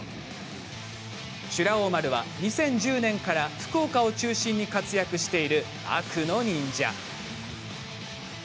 修羅王丸は２０１０年から福岡を中心に活躍している、悪の忍者。